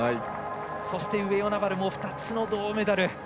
そして、上与那原も２つの銅メダル。